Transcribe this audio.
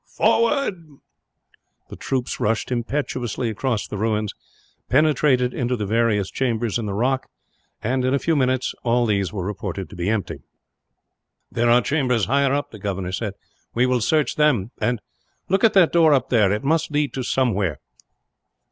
"Forward!" The troops rushed impetuously across the ruins, penetrated into the various chambers in the rock and, in a few minutes, all these were reported to be empty. "There are chambers higher up," the governor said. "We will search them, and look at that door up there, it must lead to somewhere.